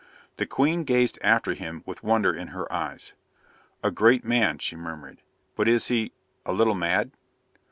The Queen gazed after him with wonder in her eyes. "A great man," she murmured, "but is he a little mad?"